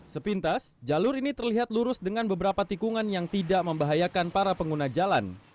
sepintas jalur ini terlihat lurus dengan beberapa tikungan yang tidak membahayakan para pengguna jalan